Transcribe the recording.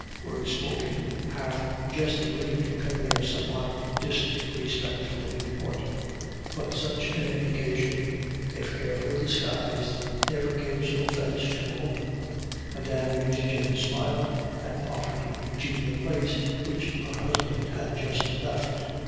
Words spoken half jestingly to cover their somewhat disrespectful import; but such an implication, if carefully disguised, never gives offence to a woman. Mme. de Nucingen smiled, and offered Eugene the place which her husband had just left.